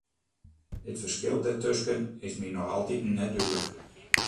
It ferskil dêrtusken is my noch altiten net dúdlik.